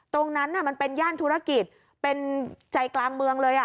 ตรงนั้นมันเป็นย่านธุรกิจเป็นใจกลางเมืองเลย